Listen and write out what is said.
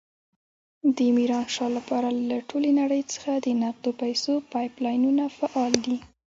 د ميرانشاه لپاره له ټولې نړۍ څخه د نقدو پيسو پایپ لاینونه فعال دي.